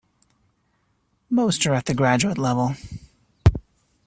Most are at the graduate level.